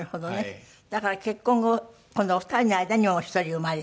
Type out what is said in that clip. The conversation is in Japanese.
だから結婚後今度はお二人の間にお一人生まれて。